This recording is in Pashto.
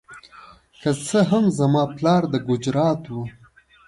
که څه هم زما پلار د ګجرات و.